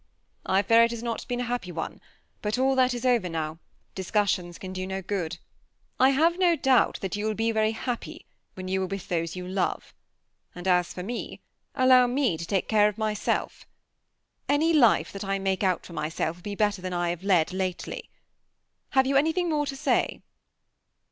^ I fear it has not been a happ7 one, bat all that is over now ; discussions can do no good. I have no doubt 70U will be ver7 happ7 when 70U are ¥dth those 70a love, and as for me, allow me to take care of m7sel^ An7 life that I make out for m7self will be better than that I have led latety. Have 70U an7thing more to 8a7?''